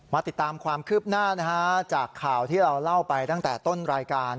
ติดตามความคืบหน้าจากข่าวที่เราเล่าไปตั้งแต่ต้นรายการ